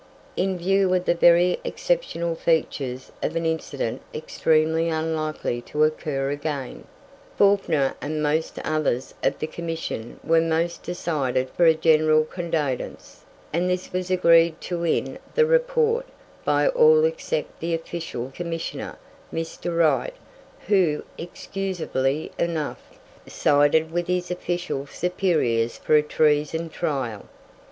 In view of the very exceptional features of an incident extremely unlikely to occur again, Fawkner and most others of the commission were most decided for a general condonance; and this was agreed to in the report by all except the Official Commissioner, Mr. Wright, who, excusably enough, sided with his official superiors for a treason trial.